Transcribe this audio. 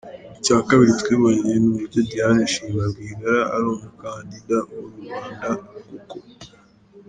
Icya kabili twiboneye ni uburyo Diane Shima Rwigara ari umukandida wa rubanda koko.